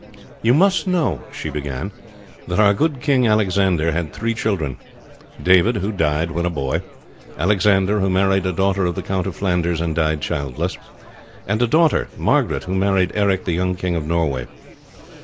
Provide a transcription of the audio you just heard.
"You must know," she began, "that our good King Alexander had three children David, who died when a boy; Alexander, who married a daughter of the Count of Flanders, and died childless; and a daughter, Margaret, who married Eric, the young King of Norway.